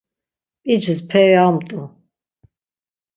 p̌icis peri amt̆u.